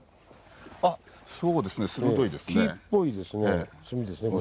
あっそうですね鋭いですね。